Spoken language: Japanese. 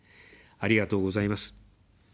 ありがとうございます。